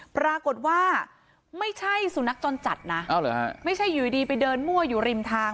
ปรากฏว่าไม่ใช่สุนัขจรจัดนะไม่ใช่อยู่ดีไปเดินมั่วอยู่ริมทาง